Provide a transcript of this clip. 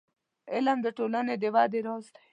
• علم، د ټولنې د ودې راز دی.